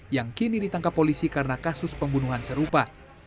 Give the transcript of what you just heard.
yang kini ditangkap polisi karena kasus pembunuhan serupa